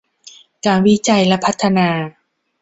การวิจัยและพัฒนา